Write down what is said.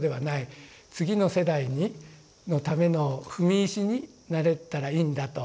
次の世代のための踏み石になれたらいいんだと。